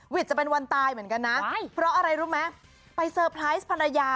จะเป็นวันตายเหมือนกันนะเพราะอะไรรู้ไหมไปเซอร์ไพรส์ภรรยา